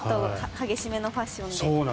激しめのファッションで。